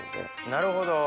なるほど。